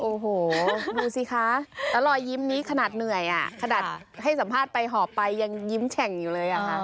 โอ้โหดูสิคะแล้วรอยยิ้มนี้ขนาดเหนื่อยอ่ะขนาดให้สัมภาษณ์ไปหอบไปยังยิ้มแฉ่งอยู่เลยอ่ะค่ะ